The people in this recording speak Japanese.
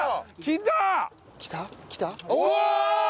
きた。